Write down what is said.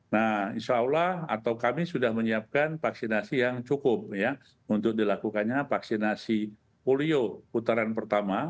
nah insya allah atau kami sudah menyiapkan vaksinasi yang cukup ya untuk dilakukannya vaksinasi polio putaran pertama